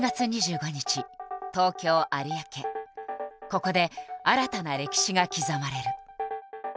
ここで新たな歴史が刻まれる。